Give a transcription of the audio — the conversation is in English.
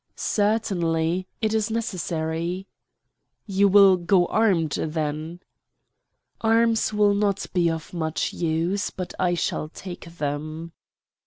"Certainly, it is necessary." "You will go armed, then?" "Arms will not be of much use; but I shall take them."